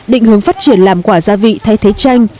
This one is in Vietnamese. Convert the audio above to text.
định hướng phát triển làm quả gia vị thay thế tranh